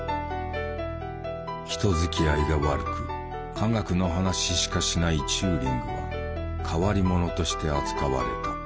人づきあいが悪く科学の話しかしないチューリングは変わり者として扱われた。